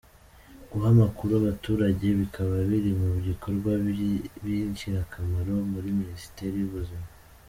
Guha amakuru abaturage bikaba biri mu bikorwa by’ingirakamaro muri Minisiteri y’ubuzima.